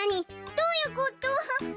どういうこと？